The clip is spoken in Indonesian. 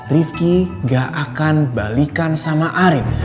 rifki gak akan balikan sama arief